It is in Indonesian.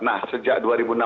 nah sejak dua ribu enam belas